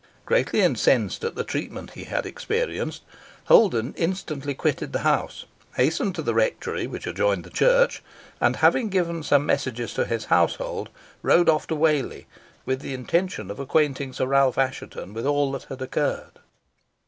Greatly incensed at the treatment he had experienced, Holden instantly quitted the house, hastened to the rectory, which adjoined the church, and having given some messages to his household, rode off to Whalley, with the intention of acquainting Sir Ralph Assheton with all that had occurred.